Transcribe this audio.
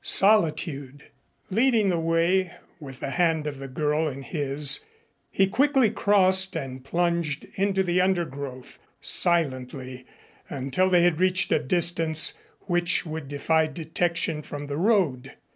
Solitude. Leading the way, with the hand of the girl in his, he quickly crossed and plunged into the undergrowth silently until they had reached a distance which would defy detection from the road.